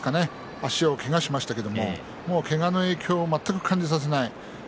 足をけがしましたけどけがの影響を全く感じさせない